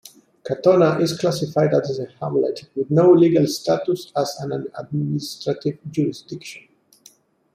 Katonah is classified as a hamlet, with no legal status as an administrative jurisdiction.